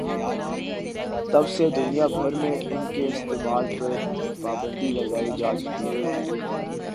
تب سے دنیا بھر میں ان کے استعمال پر پابندی لگائی جاچکی ہے